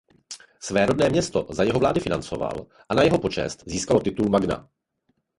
Své rodné město za jeho vlády financoval a na jeho počest získalo titul Magna.